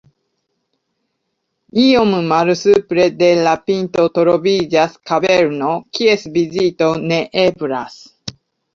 Iom malsupre de la pinto troviĝas kaverno, kies vizito ne eblas.